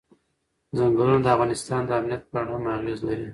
ځنګلونه د افغانستان د امنیت په اړه هم اغېز لري.